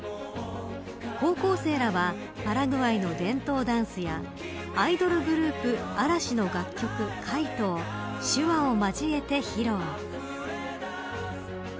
高校生らはパラグアイの伝統ダンスやアイドルグループ嵐の楽曲カイトを手話を交えて披露。